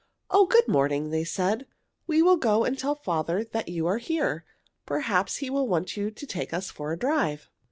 "Oh, good morning!" they said. "We will go and tell father that you are here. Perhaps he will want you to take us for a drive."